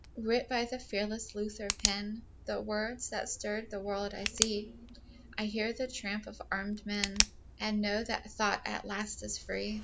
Writ by the fearless Luther pen, The words that stirred the world I see; I hear the tramp of arméd men, And know that thought, at last, is free.